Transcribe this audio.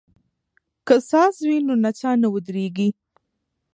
که ساز وي نو نڅا نه ودریږي.